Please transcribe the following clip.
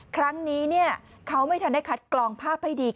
ครั้งนี้เขาไม่ทันได้คัดกรองภาพให้ดี